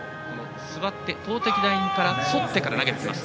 座って投てきラインそってから投げてきます。